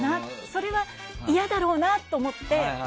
それは、嫌だろうなって思って。